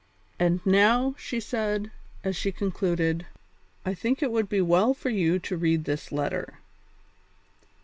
"And now," she said, as she concluded, "I think it would be well for you to read this letter."